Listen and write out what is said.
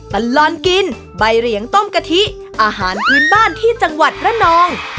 ตลอดกินใบเหรียงต้มกะทิอาหารพื้นบ้านที่จังหวัดระนอง